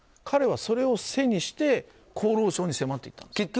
彼はそれを背にして厚労省に迫っていったんです。